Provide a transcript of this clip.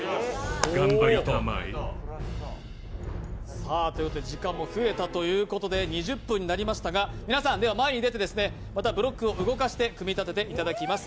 頑張りたまえさあ、時間も増えたということで２０分になりましたが、皆さん、前に出て、またブロックを動かして組み立てていただきます。